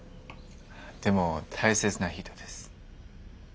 でも大切な人です。